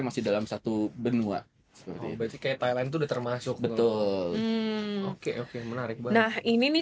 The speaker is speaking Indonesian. masih dalam satu benua seperti thailand sudah termasuk betul oke oke menarik nah ini nih